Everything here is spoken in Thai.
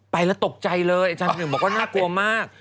ไปแล้วตกใจเลยอาจารย์หนึ่งบอกว่าน่ากลัวมาก